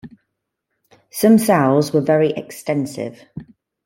Some soughs were very extensive.